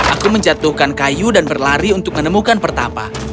aku menjatuhkan kayu dan berlari untuk menemukan pertapa